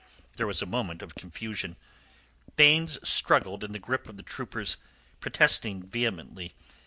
There was a moment of confusion. Baynes struggled in the grip of the troopers, protesting vehemently.